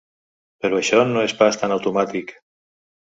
Però això no és pas tan automàtic.